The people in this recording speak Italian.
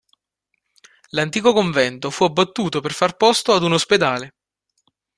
L'antico convento fu abbattuto per far posto ad un ospedale.